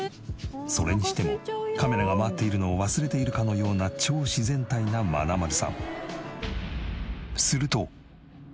それにしてもカメラが回っているのを忘れているかのような「なっなっなななっななな何な」